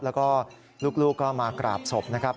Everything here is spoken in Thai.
แล้วก็ลูกก็มากราบศพนะครับ